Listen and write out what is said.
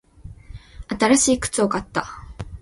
新しい靴を買った。